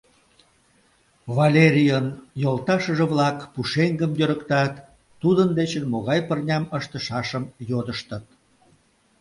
Валерийын йолташыже-влак пушеҥгым йӧрыктат, тудын дечын могай пырням ыштышашым йодыштыт.